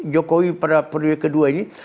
jokowi pada periode kedua ini